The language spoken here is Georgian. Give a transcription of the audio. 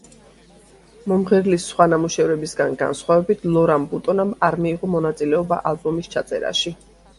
მომღერლის სხვა ნამუშევრებისგან განსხვავებით ლორან ბუტონამ არ მიიღო მონაწილეობა ალბომის ჩაწერაში.